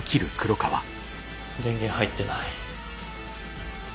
電源入ってない。